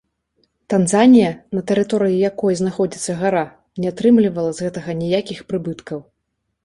Танзанія, на тэрыторыі якой знаходзіцца гара, не атрымлівала з гэтага ніякіх прыбыткаў.